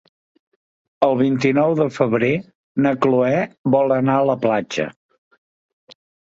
El vint-i-nou de febrer na Cloè vol anar a la platja.